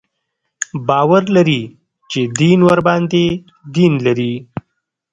باور لري چې دین ورباندې دین لري.